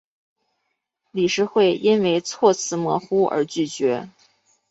理事会因为措辞模糊而拒绝。